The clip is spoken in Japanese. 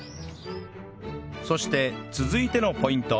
そして続いてのポイント